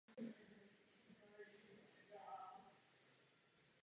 Časopis Guitar World jej zařadil mezi padesát nejrychlejších kytaristů světa.